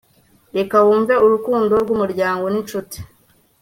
reka wumve urukundo rwumuryango ninshuti